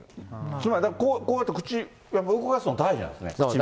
つまり、こうやって口動かすの大事ですね。